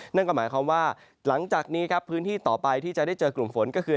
นั่นก็หมายความว่าหลังจากนี้ครับพื้นที่ต่อไปที่จะได้เจอกลุ่มฝนก็คือ